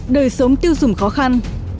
đời sống tiêu dùng khó khăn